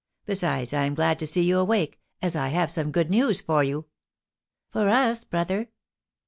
Besides, I am glad to see you awake, as I have some good news for you." "For us, brother?"